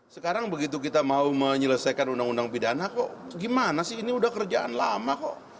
sekarang begitu kita mau menyelesaikan undang undang pidana kok gimana sih ini udah kerjaan lama kok